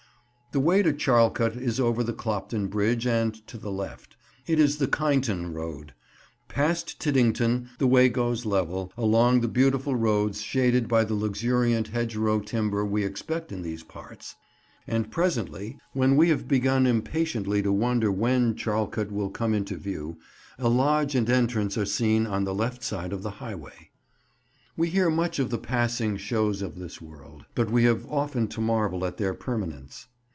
The way to Charlecote is over the Clopton Bridge and to the left. It is the Kineton road. Past Tiddington the way goes level, along the beautiful roads shaded by the luxuriant hedgerow timber we expect in these parts; and presently, when we have begun impatiently to wonder when Charlecote will come into view, a lodge and entrance are seen on the left side of the highway. [Picture: Lucy Shield of Arms] We hear much of the passing shows of this world, but we have often to marvel at their permanence.